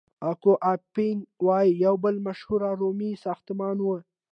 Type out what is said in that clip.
اکوا اپین وی یو بل مشهور رومي ساختمان و.